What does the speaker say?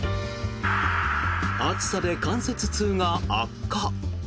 暑さで関節痛が悪化。